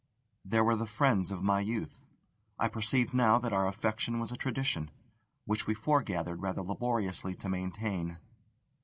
There were the friends of my youth: I perceived now that our affection was a tradition, which we foregathered rather laboriously to maintain.